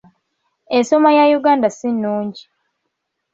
Ensoma ya Uganda si nnungi.